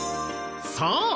そう！